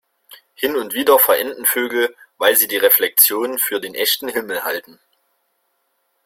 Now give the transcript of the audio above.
Hin und wieder verenden Vögel, weil sie die Reflexion für den echten Himmel halten.